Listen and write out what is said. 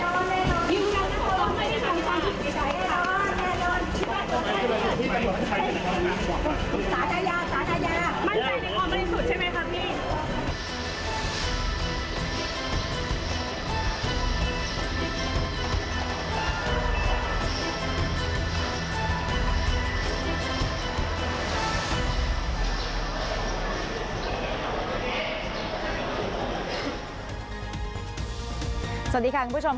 สวัสดีค่ะคุณผู้ชม